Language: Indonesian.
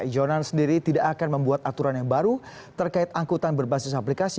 jonan sendiri tidak akan membuat aturan yang baru terkait angkutan berbasis aplikasi